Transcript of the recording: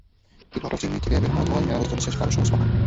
ইটভাটার চিমনি থেকে বের হওয়া ধোঁয়ায় ন্যাড়া হতে চলেছে গাঢ় সবুজ পাহাড়।